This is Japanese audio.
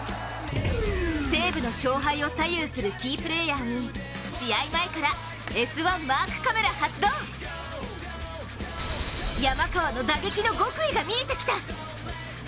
西武の勝敗を左右するキープレーヤーに試合前から「Ｓ☆１」マークカメラ発動、山川の打撃の極意が見えてきた。